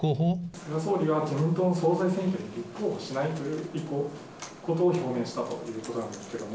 菅総理が自民党総裁選に立候補しないということを表明したということなんですけども。